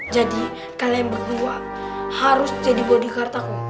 jadi kalian berdua harus jadi bodyguard aku